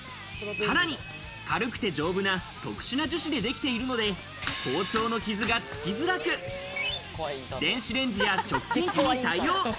さらに軽くて丈夫な特殊な樹脂でできているので、包丁の傷がつきづらく、電子レンジや食洗機に対応。